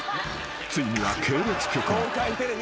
［ついには系列局に］